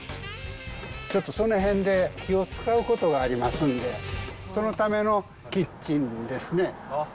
ちょっとその辺で火を使うことがありますんで、そのためのキ